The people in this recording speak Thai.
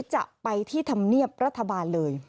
จะไปที่ธรรมเนียบรัฐบาลเลย